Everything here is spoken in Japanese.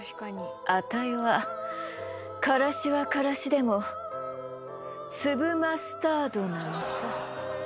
あたいはからしはからしでも粒マスタードなのさ。